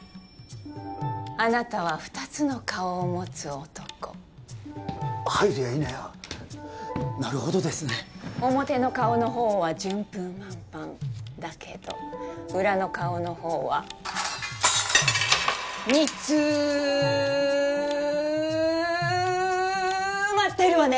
あなたは２つの顔を持つ男入るやいなやなるほどですね表の顔のほうは順風満帆だけど裏の顔のほうは煮詰まってるわね？